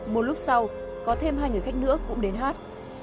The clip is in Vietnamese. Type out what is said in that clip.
một lúc sau có thêm hai người khách nữa cũng đến hát